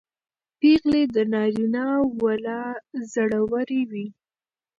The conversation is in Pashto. پېغلې تر نارینه و لا زړورې وې.